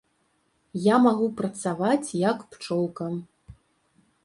Я магу працаваць, як пчолка.